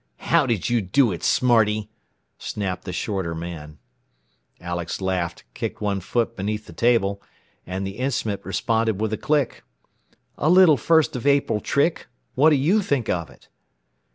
"How did you do it, smarty?" snapped the shorter man. Alex laughed, kicked one foot beneath the table, and the instrument responded with a click. "A little First of April trick. What do you think of it?"